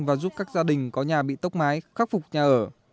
và giúp các gia đình có nhà bị tốc mái khắc phục nhà ở